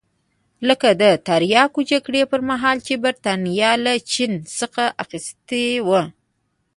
لکه د تریاکو جګړې پرمهال چې برېټانیا له چین څخه اخیستي وو.